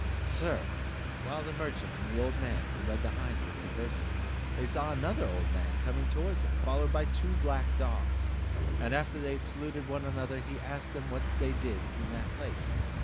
Sir, while the merchant and the old man who led the hind were conversing, they saw another old man coming towards them, followed by two black dogs; after they had saluted one another, he asked them what they did in that place?